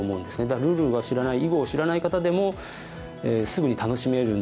だからルールを知らない囲碁を知らない方でもすぐに楽しめるんじゃないかと思います。